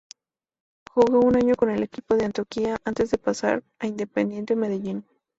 Jugó un año con el equipo de Antioquia antes de pasar a Independiente Medellin.